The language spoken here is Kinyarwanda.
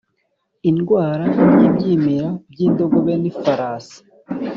Indwara y ibyimira by indogobe n ifarasi